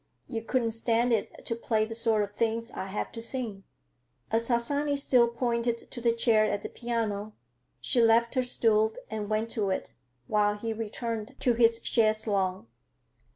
You couldn't stand it to play the sort of things I have to sing." As Harsanyi still pointed to the chair at the piano, she left her stool and went to it, while he returned to his chaise longue.